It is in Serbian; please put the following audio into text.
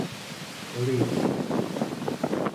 Лидија